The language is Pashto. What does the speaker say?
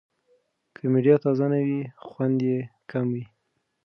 که مډیګا تازه نه وي، خوند یې کم وي.